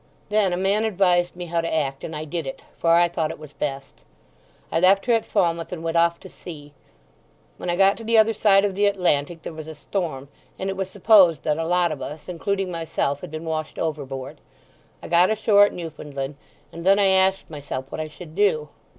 Then a man advised me how to act, and I did it, for I thought it was best. I left her at Falmouth, and went off to sea. When I got to the other side of the Atlantic there was a storm, and it was supposed that a lot of us, including myself, had been washed overboard. I got ashore at Newfoundland, and then I asked myself what I should do.